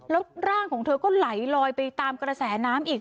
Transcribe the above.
แล้วร่างของเธอก็ไหลลอยไปตามกระแสน้ำอีก